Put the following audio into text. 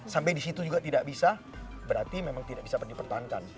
sampai di situ juga tidak bisa berarti memang tidak bisa dipertahankan